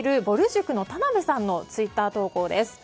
塾の田辺さんのツイッター投稿です。